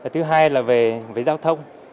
thứ hai là về giao thông